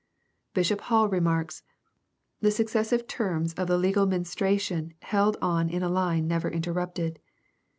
Bishop Hall remarks, "The successive terms of the legal ministration held on in a line never mterrupted.